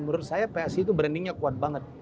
menurut saya psi itu brandingnya kuat banget